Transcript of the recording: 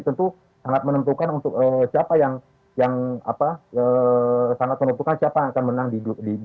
tentu sangat menentukan siapa yang akan menang di pembeli dua ribu dua puluh empat